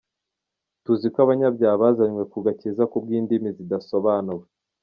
Tuzi ko abanyabyaha bazanywe ku gakiza ku bw’indimi zidasobanuwe.